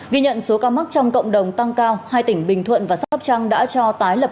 ghi nhận số ca mắc trong cộng đồng tăng cao hai tỉnh bình thuận và sóc trăng đã cho tái lập